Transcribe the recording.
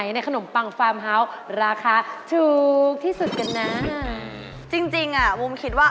อันนี้ถูกสดผมถูกกว่า